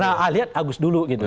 nah lihat agus dulu gitu